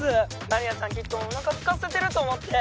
「丸谷さんきっとお腹すかせてると思って」